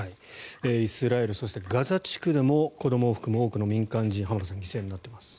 イスラエルそしてガザ地区でも子どもを含む多くの民間人が犠牲になっています。